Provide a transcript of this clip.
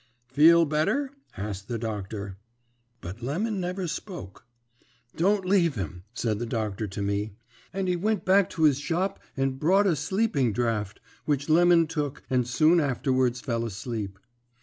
"'Feel better?' asked the doctor. "But Lemon never spoke. "'Don't leave him,' said the doctor to me, and he went back to his shop and brought a sleeping draught, which Lemon took, and soon afterwards fell asleep.